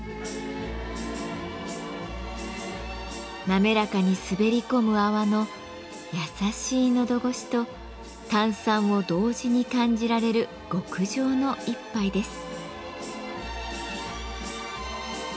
滑らかにすべり込む泡の優しい喉越しと炭酸を同時に感じられる極上の一杯です。